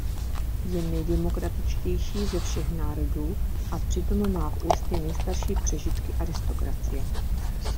Je nejdemokratičtější ze všech národů a přitom má v úctě nejstarší přežitky aristokracie.